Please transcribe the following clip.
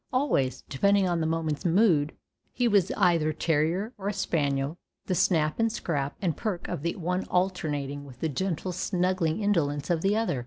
Always, depending on the moment's mood, he was either terrier or spaniel, the snap and scrap and perk of the one alternating with the gentle snuggling indolence of the other.